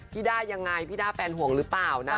พี่ด้ายังไงพี่ด้าแฟนถูกห่วงหรือป่าวนะ